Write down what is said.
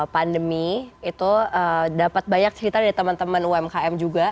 pandemi itu dapat banyak cerita dari teman teman umkm juga